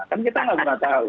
kan kita nggak pernah tahu